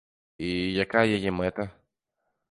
І якая яе мэта?